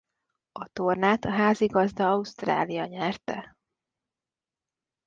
A tornát a házigazda Ausztrália nyerte.